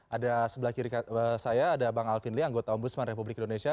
ada sebelah kiri saya ada bang alvin lee anggota ombudsman republik indonesia